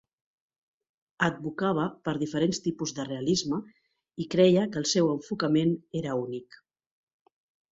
Advocava per diferents tipus de realisme i creia que el seu enfocament era únic.